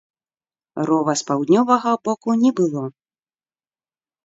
Рова з паўднёвага боку не было.